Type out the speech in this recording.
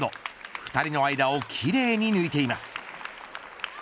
２人の間を奇麗に抜いています。